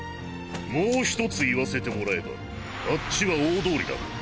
もう１つ言わせてもらえばあっちは大通りだ。